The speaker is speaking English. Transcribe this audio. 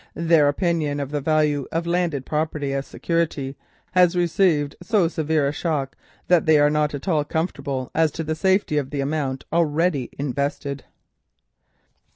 Their opinion of the value of landed property as security has received so severe a shock, that they are not at all comfortable as to the safety of the amount already invested."